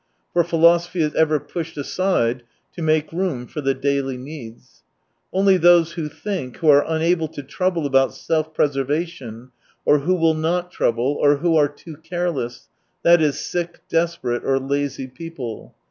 For philosophy is ever pushed aside to make room for the daily needs. Only those think who are unable to trouble about self preservation, or who will not trouble, or who are too careless : that is, sick, desperate, or lazy people.